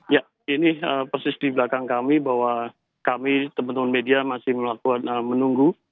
ya ini persis di belakang kami bahwa kami teman teman media masih melakukan menunggu